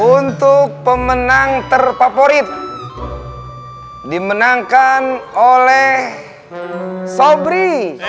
untuk pemenang terfavorit dimenangkan oleh sobri